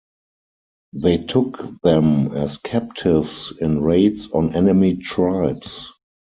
They took them as captives in raids on enemy tribes.